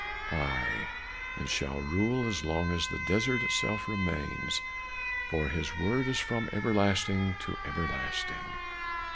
Ay! and shall rule as long as the desert itself remains, for his word is from everlasting to everlasting.